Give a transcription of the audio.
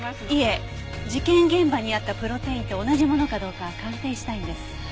いえ事件現場にあったプロテインと同じものかどうか鑑定したいんです。